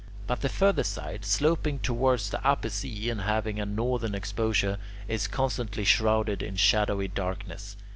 But the further side, sloping towards the Upper Sea and having a northern exposure, is constantly shrouded in shadowy darkness.